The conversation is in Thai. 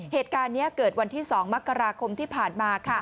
เหตุการณ์นี้เกิดวันที่๒มกราคมที่ผ่านมา